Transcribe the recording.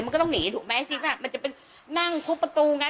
มันก็ต้องหนีถูกไหมจริงป่ะมันจะเป็นนั่งทุบประตูไง